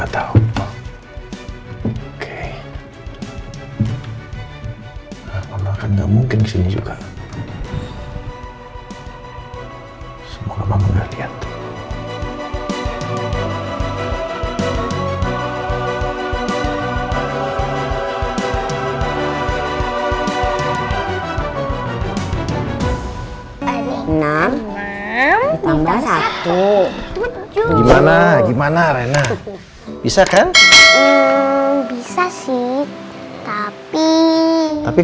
tunggu sebentar ya